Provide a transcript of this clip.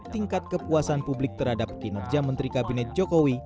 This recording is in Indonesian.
tingkat kepuasan publik terhadap kinerja menteri kabinet jokowi